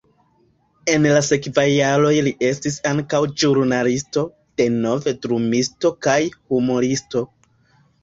En la sekvaj jaroj li estis ankaŭ ĵurnalisto, denove drumisto kaj humuristo.